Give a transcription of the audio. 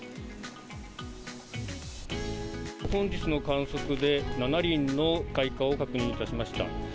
本日の観測で、７輪の開花を確認いたしました。